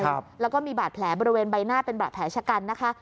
ครับแล้วก็มีบาดแผลบริเวณใบหน้าเป็นบาดแผลชะกันนะคะ